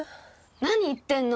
何言ってんの！